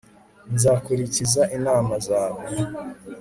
nzakurikiza inama zawe